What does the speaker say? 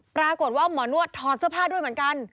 ปรากฏว่าหมอนวดถอดเสื้อผ้าด้วยเหมือนกัน